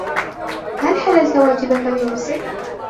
هل حللتَ واجِبك بنفسك ؟